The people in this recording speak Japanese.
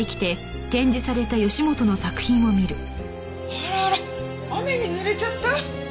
あらあら雨に濡れちゃった？